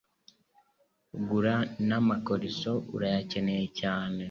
Gura namakoriso urayakeneye cyane